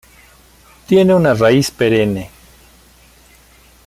Tiene una raíz perenne.